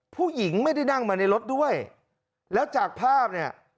ผู้หญิงไม่ได้นั่งมาในรถด้วยแล้วจากภาพเนี่ย